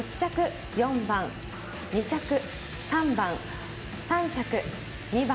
１着・４番、２着・３番、３着・２番。